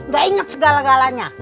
gak inget segala galanya